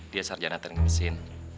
dia sarjana telinga mesin